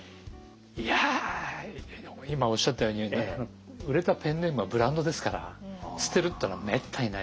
いや今おっしゃったように売れたペンネームはブランドですから捨てるってのはめったにないですよね。